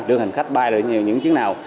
lượng hành khách bay là những chiến nào